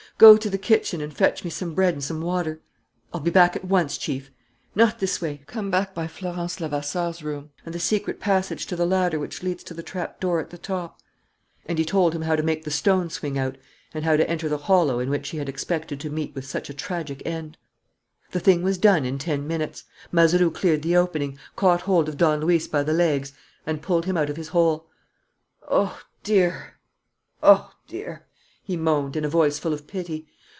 Go to the kitchen and fetch me some bread and some water." "I'll be back at once, Chief." "Not this way. Come back by Florence Levasseur's room and the secret passage to the ladder which leads to the trapdoor at the top." And he told him how to make the stone swing out and how to enter the hollow in which he had expected to meet with such a tragic end. The thing was done in ten minutes. Mazeroux cleared the opening, caught hold of Don Luis by the legs and pulled him out of his hole. "Oh, dear, oh dear!" he moaned, in a voice full of pity.